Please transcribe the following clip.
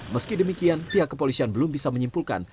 meski demikian pihak kepolisian belum bisa menyimpulkan